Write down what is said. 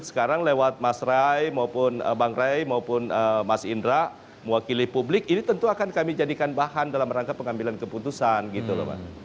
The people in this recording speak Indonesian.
sekarang lewat mas ray maupun bang ray maupun mas indra mewakili publik ini tentu akan kami jadikan bahan dalam rangka pengambilan keputusan gitu loh mas